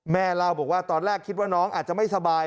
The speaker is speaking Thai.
แม่เราเคยบอกว่าอาจจะไม่สบาย